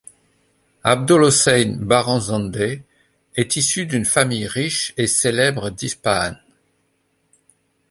Abdolhossein Barazandeh est issu d'une famille riche et célèbre d'Ispahan.